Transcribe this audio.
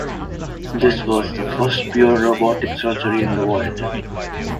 This was the first pure robotic surgery in the world.